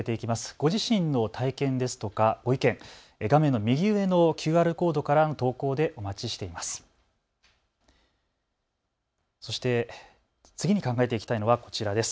ご自身の体験ですとかご意見、画面の右上のＱＲコードからの投稿でお待ちしています。